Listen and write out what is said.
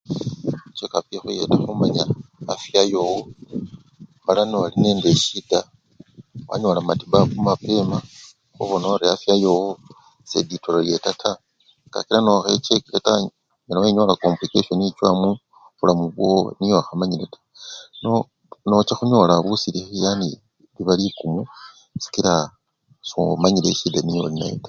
chekapu ekhuyeta khumanya afya yowo mala noli nende eshida, wanyola matibabu mapema khubona orii afya yowo se ditororyeta taa kakila nokhachekile taa onyala wenyola komplikasioni echowa mubulamu bowo nyo khamanyile taa nyo nochakhunyola busilikhi yani biba bikumu somanyile eshida nyo-olinayo taa